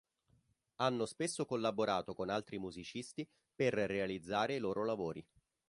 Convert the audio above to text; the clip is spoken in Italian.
Hanno spesso collaborato con altri musicisti per realizzare i loro lavori.